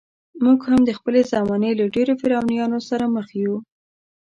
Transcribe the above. موږ هم د خپلې زمانې له ډېرو فرعونانو سره مخ یو.